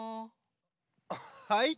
はい？